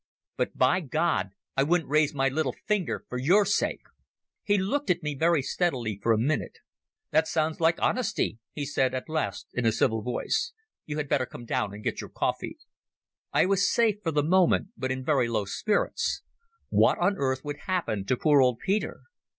But, by God, I wouldn't raise my little finger for your sake." He looked at me very steadily for a minute. "That sounds like honesty," he said at last in a civil voice. "You had better come down and get your coffee." I was safe for the moment but in very low spirits. What on earth would happen to poor old Peter?